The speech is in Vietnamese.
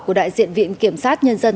của đại diện viện kiểm sát nhân dân